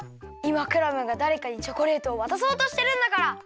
いまクラムがだれかにチョコレートをわたそうとしてるんだから！